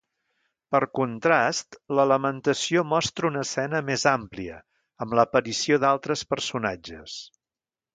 Per contrast la lamentació mostra una escena més àmplia amb l'aparició d'altres personatges.